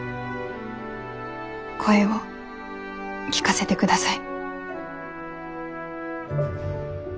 声を聞かせてください。